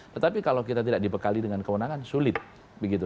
tetapi kalau kita tidak dibekali dengan kewenangan sulit begitu